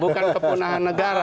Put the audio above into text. bukan kepunahan negara